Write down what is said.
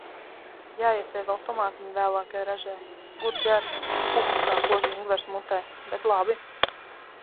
Jāiesēj vēl tomātiņi vēlākai ražai, gurķi ar. Uh, kā kož ingvers mutē, bet labi...